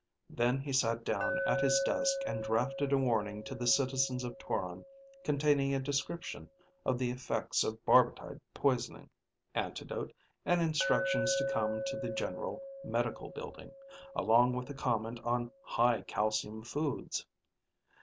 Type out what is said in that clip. Then he sat down at his desk and drafted a warning to the citizens of Toron containing a description of the effects of barbitide poisoning, antidote, and instructions to come to the General Medical building, along with a comment on high calcium foods.